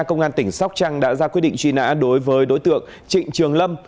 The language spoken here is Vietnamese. công an tỉnh sóc trăng đã ra quyết định truy nã đối với đối tượng trịnh trường lâm